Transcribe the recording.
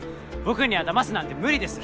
僕にはだますなんて無理です。